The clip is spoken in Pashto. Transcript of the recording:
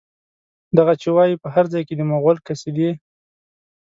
دغه چې وايي، په هر ځای کې د مغول قصيدې